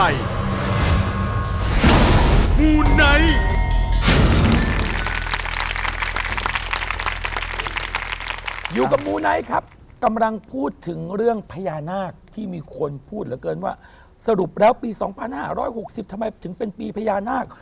อยู่กับมูไนท์ครับกำลังพูดถึงเรื่องพญานาคที่มีคนพูดเหลือเกินว่าสรุปแล้วปี๒๕๖๐ทำไมถึงเป็นปีพญานาค